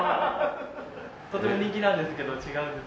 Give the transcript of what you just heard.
とても人気なんですけど違うんです。